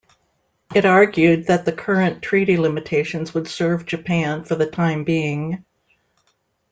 It argued that the current treaty limitations would serve Japan for the time being.